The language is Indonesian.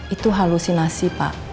itu halusinasi pak